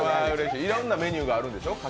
いろんなメニューがあるでしょ？